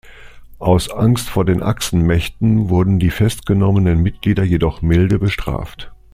Aus Angst vor den Achsenmächten wurden die festgenommenen Mitglieder jedoch milde bestraft.